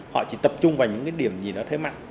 họ chỉ tập trung vào những cái điểm gì đó thế mạnh